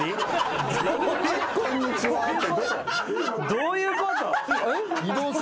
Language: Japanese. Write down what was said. どういうこと？